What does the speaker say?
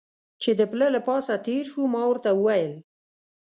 چې د پله له پاسه تېر شو، ما ورته وویل.